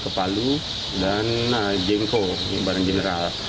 kepalu dan jengko barang general